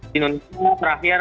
di indonesia terakhir